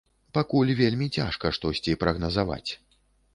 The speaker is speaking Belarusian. Пакуль вельмі цяжка штосьці прагназаваць.